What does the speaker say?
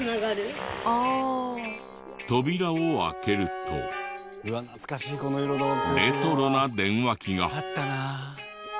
扉を開けるとレトロな電話機が。